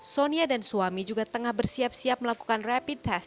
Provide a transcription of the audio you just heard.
sonia dan suami juga tengah bersiap siap melakukan rapid test